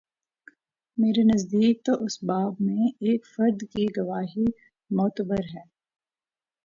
میرے نزدیک تواس باب میں ایک فرد کی گواہی معتبر ہے۔